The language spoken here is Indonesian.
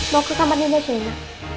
mau ke kamar di mbak shana